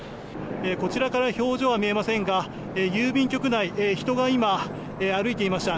こちらから表情は見えませんが郵便局内、人が今歩いていました。